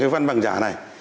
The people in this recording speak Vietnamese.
văn bằng giả này